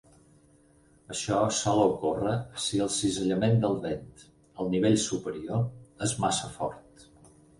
Això sol ocórrer si el cisallament del vent al nivell superior és massa fort.